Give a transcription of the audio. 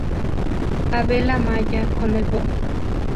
Abel Amaya con el Bo.